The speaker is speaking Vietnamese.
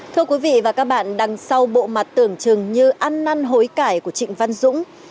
thưa quý vị và các bạn đằng sau bộ mặt tưởng chừng như ăn năn hối cải của trịnh văn dũng